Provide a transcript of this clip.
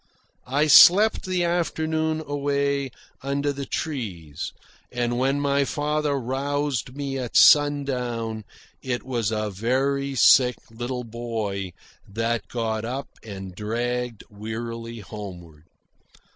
I slept the afternoon away under the trees, and when my father roused me at sundown it was a very sick little boy that got up and dragged wearily homeward.